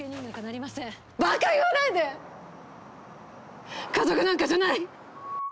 ばか言わないで家族なんかじゃない。